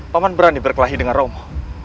pak man berani berkelahi dengan romo